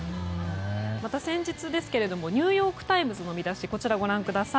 先日ニューヨーク・タイムズの見出しこちら、ご覧ください。